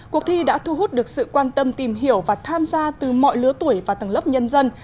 cuộc thi đã thu hút được sự quan tâm tìm hiểu và tham gia từ mọi lứa tuổi và tầng lớp nhân dân